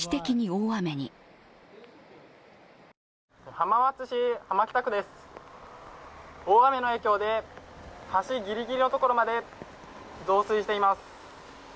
大雨の影響で橋ギリギリのところまで増水しています。